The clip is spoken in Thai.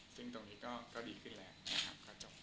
ซึ่งตรงนี้ก็ดีขึ้นแล้วพอจบป่ะ